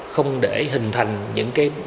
không để hình thành những bất kỳ vấn đề